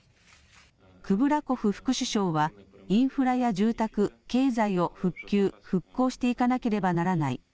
クブラコフ副首相はインフラや住宅、経済を復旧、復興していかなければならない。